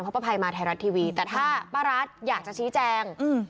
เพราะป้าภัยมาไทยรัฐทีวีแต่ถ้าป้ารัฐอยากจะชี้แจงอืม